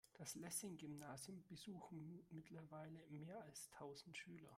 Das Lessing-Gymnasium besuchen mittlerweile mehr als tausend Schüler.